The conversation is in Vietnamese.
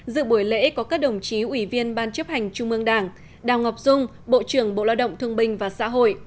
dự buổi lễ có các đồng chí ủy viên ban chấp hành trung ương đảng đào ngọc dung bộ trưởng bộ lao động thương binh và xã hội